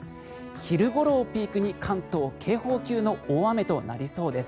昼ごろをピークに関東警報級の大雨となりそうです